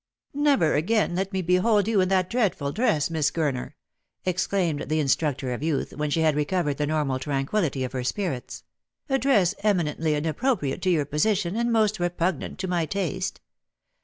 "Never again let me behold you in that dreadful dress, Miss Gurner," exclaimed the instructor of youth, when she had recovered the normal tranquillity of her spirits ;" a dress eminently inappropriate to your position, and most repugnant to my taste.